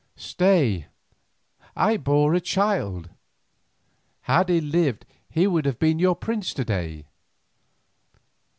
Stay, I bore a child—had he lived he would have been your prince to day.